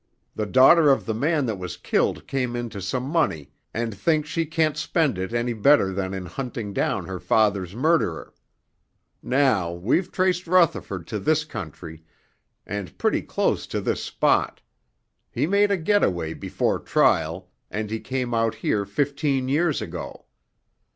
The daughter of the man that was killed came into some money and thinks she can't spend it any better than in hunting down her father's murderer. Now, we've traced Rutherford to this country, and pretty close to this spot. He made a getaway before trial, and he came out here fifteen years ago.